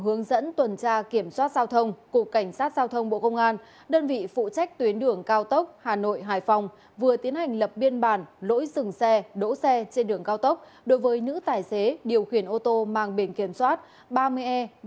trong hướng dẫn tuần tra kiểm soát giao thông của cảnh sát giao thông bộ công an đơn vị phụ trách tuyến đường cao tốc hà nội hải phòng vừa tiến hành lập biên bản lỗi dừng xe đỗ xe trên đường cao tốc đối với nữ tài xế điều khiển ô tô mang bền kiểm soát ba mươi e ba mươi một nghìn sáu trăm ba mươi ba